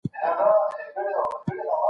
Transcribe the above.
موږ باید د خپلو لیکوالانو ملاتړ وکړو.